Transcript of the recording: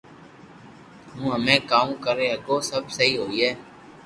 ھون ھمي ڪاو ڪري ھگو سب سھي ھوئي